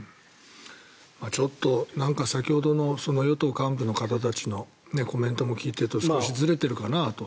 ちょっと先ほどの与党幹部の方たちのコメントも聞いていると少しずれているかなと。